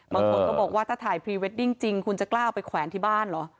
บางคนก็บอกว่าถ้าถ่ายพรีเวดดิ้งจริงคุณจะกล้าเอาไปแขวนที่บ้านเหรอ